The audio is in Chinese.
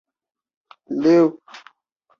现在称为警察大厦公寓。